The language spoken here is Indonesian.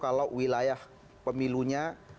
kalau wilayah pemilunya